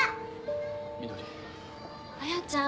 彩ちゃん